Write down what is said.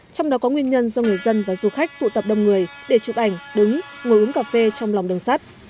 trong đó có nguyên nhân do người dân và du khách tụ tập đông người để chụp ảnh đứng ngồi uống cà phê trong lòng đường sắt